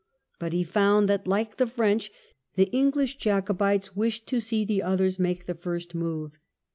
But he found that, like the French, the English Jacobites wished to see the others make the first move.